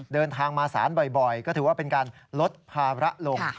เดินทางมาสารบ่อยก็ถือว่าเป็นการลดภาระลง